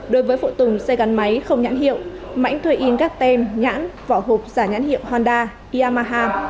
đối với phụ tùng xe gắn máy không nhãn hiệu mãnh thuê in các tem nhãn vỏ hộp giả nhãn hiệu honda iamaha